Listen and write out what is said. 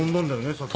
さっき。